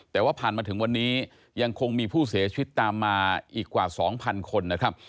แต่ว่าผ่านมาถึงวันนี้ยังคงมีผู้เสียชีวิตตามมาอีกกว่า๒๐๐คนนะครับ